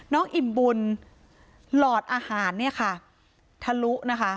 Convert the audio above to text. น้องอิ่มบุญหลอดอาหารทะลุ